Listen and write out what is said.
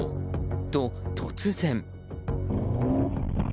と、突然。